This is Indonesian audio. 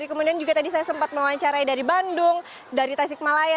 kemudian juga tadi saya sempat mewawancarai dari bandung dari tasikmalaya